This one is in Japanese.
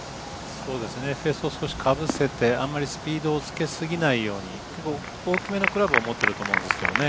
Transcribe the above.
少しかぶせて、あまりスピードをつけすぎないように大きめのクラブを持ってると思うんですけどね。